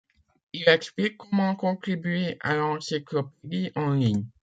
Il explique comment contribuer à l'encyclopédie en ligne.